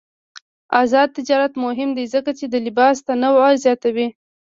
آزاد تجارت مهم دی ځکه چې د لباس تنوع زیاتوي.